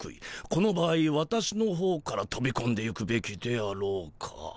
この場合私のほうからとびこんでいくべきであろうか？